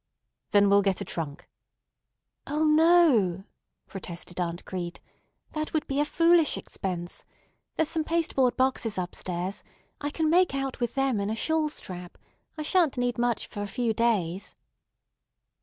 "Then we'll get a trunk." "O, no," protested Aunt Crete; "that would be a foolish expense. There's some pasteboard boxes up stairs. I can make out with them in a shawl strap. I sha'n't need much for a few days."